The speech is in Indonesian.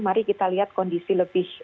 mari kita lihat kondisi lebih